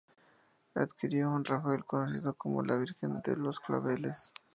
Adquirió un Rafael conocido como la "Virgen de los claveles.